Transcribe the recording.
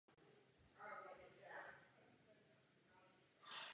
Stanovisko vyjadřuje politování nad nerozumností a nepřiměřeností jazykových požadavků.